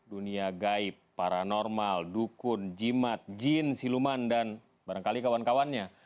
dunia gaib paranormal dukun jimat jin siluman dan barangkali kawan kawannya